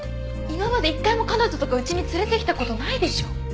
今まで一回も彼女とか家に連れて来た事ないでしょ。